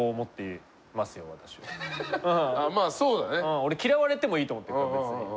俺嫌われてもいいと思ってるから別に。